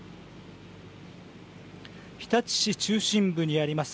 日立市中心部にあります